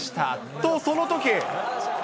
と、そのとき。